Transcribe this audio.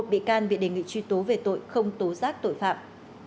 một bị can bị đề nghị truy tố về tội không tố giác tội phạm